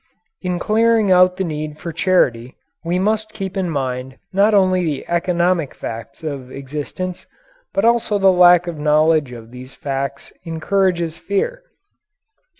In clearing out the need for charity we must keep in mind not only the economic facts of existence, but also that lack of knowledge of these facts encourages fear.